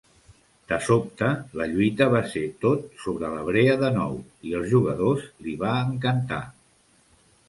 De sobte, la lluita va ser tot sobre la brea de nou, i els jugadors li va encantar.